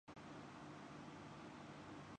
یہی حال آج کا مسلمان ممالک کا ہونا